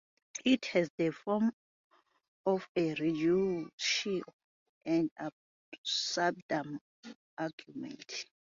It has the form of a "reductio ad absurdum" argument.